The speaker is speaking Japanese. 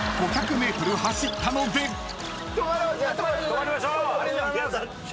止まりましょう。